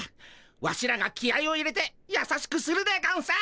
ワシらが気合いを入れて優しくするでゴンス。